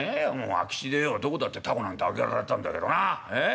空き地でよどこだって凧なんて揚げられたんだけどなええ？